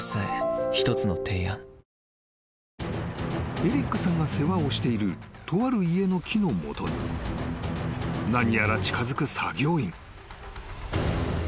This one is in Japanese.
［エリックさんが世話をしているとある家の木の元に何やら近づく作業員］